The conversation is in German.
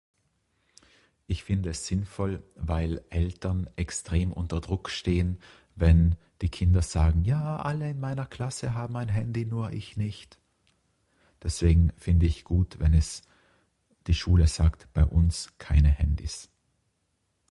"Ich finde es sinnvoll weil Eltern extrem unter Druck stehen wenn die Kinder sagen ""Ja alle in meiner Klasse haben ein Handy nur ich nicht"" Deswegen finde ich gut wenn es die Schule sagt, bei uns keine Handys."